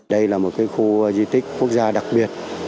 đây là một khu di tích quốc gia đặc biệt